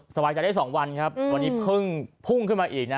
สบายใจได้๒วันวันนี้พึ่งพุ่กขึ้นมาอีก